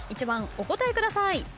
１番お答えください。